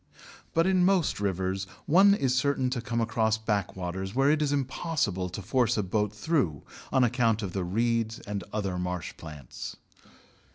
But in most rivers, one is certain to come across backwaters where it is impossible to force a boat through on account of the reeds and other marsh plants.